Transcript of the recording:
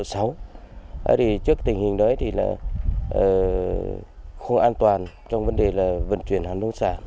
thì trước tình hình đấy thì là không an toàn trong vấn đề là vận chuyển hàng nông sản